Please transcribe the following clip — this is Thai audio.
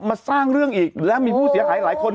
มาสร้างเรื่องอีกแล้วมีผู้เสียหายหลายคน